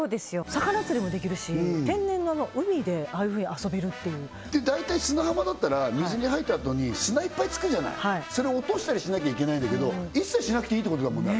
魚釣りもできるし天然の海でああいうふうに遊べるっていう大体砂浜だったら水に入ったあとに砂いっぱいつくじゃないそれを落としたりしなきゃいけないんだけど一切しなくていいってことだもんね